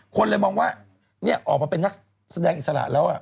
คนเลยมองว่าออกมาเป็นนักแสดงอิสระแล้ว